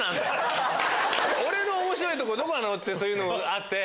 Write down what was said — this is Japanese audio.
俺の面白いとこどこなの？ってそういうのがあって。